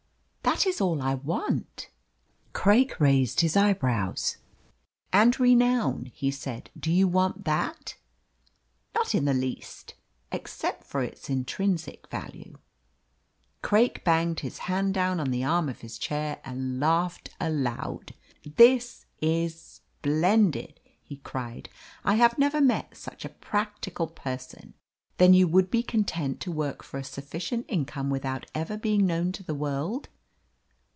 "That is all I want." Craik raised his eyebrows. "And renown," he said, "do you want that?" "Not in the least, except for its intrinsic value." Craik banged his hand down on the arm of his chair and laughed aloud. "This is splendid!" he cried. "I have never met such a practical person. Then you would be content to work for a sufficient income without ever being known to the world?"